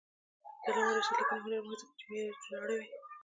د علامه رشاد لیکنی هنر مهم دی ځکه چې معیار لوړوي.